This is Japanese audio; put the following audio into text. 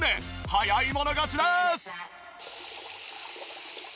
早い者勝ちです！